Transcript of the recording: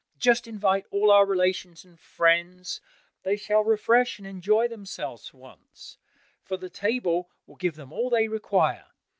Just invite all our relations and friends, they shall refresh and enjoy themselves for once, for the table will give them all they require."